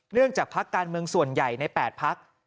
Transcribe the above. เรื่องจับพักการเมืองส่วนใหญ่ในแปดพัก